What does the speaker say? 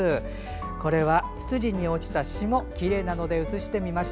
これはツツジに落ちた霜を写してみました。